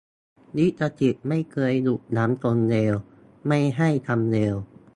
ลิขสิทธิ์ไม่เคยหยุดยั้งคนเลวไม่ให้ทำเลว